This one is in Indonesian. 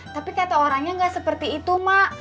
tapi kata orangnya gak seperti itu mak